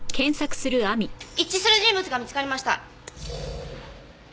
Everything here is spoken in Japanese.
一致する人物が見つかりました。